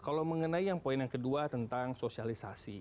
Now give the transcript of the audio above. kalau mengenai yang poin yang kedua tentang sosialisasi